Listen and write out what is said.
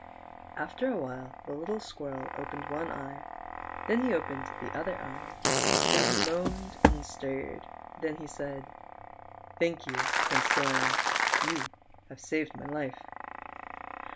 After a while the little Squirrel opened one e\'e, then he opened the other eye, then he moaned and stirred ; then he said : "Thank you, Prince Doran, you have saved my life."